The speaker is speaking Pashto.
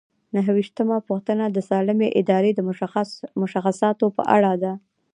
نهه ویشتمه پوښتنه د سالمې ادارې د مشخصاتو په اړه ده.